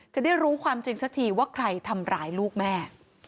จะได้รู้ความจริงสักทีว่าใครทำร้ายลูกแม่